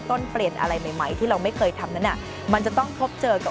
ต้นเปลี่ยนอะไรใหม่ใหม่ที่เราไม่เคยทำนั้นอ่ะมันจะต้องพบเจอกับ